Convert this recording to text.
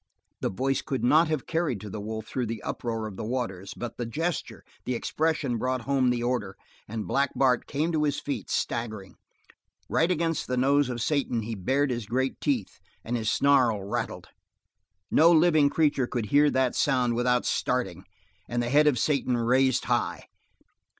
The voice could not have carried to the wolf through the uproar of the waters, but the gesture, the expression brought home the order, and Black Bart came to his feet, staggering. Right against the nose of Satan he bared his great teeth and his snarl rattled. No living creature could hear that sound without starting, and the head of Satan raised high.